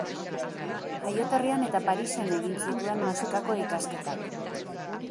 Jaioterrian eta Parisen egin zituen musikako ikasketak.